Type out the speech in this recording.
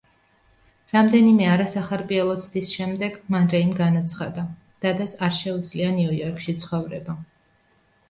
რამდენიმე არასახარბიელო ცდის შემდეგ, მან რეიმ განაცხადა: „დადას არ შეუძლია ნიუ-იორკში ცხოვრება“.